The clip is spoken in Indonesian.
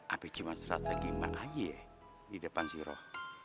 apek cuma strategi mak aja ya di depan si roh